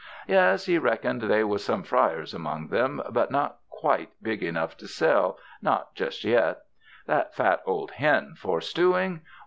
Yes, he reckoned they was some friers among 'em, but not qidte big enough to sell, not just yet. That fat old hen for stewing?